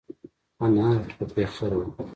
انار په پېخر وه.